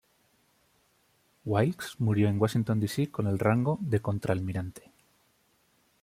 Wilkes murió en Washington D. C. con el rango de contraalmirante.